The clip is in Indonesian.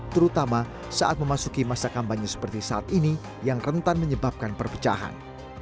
terutama saat memasuki masa kampanye seperti saat ini yang rentan menyebabkan perpecahan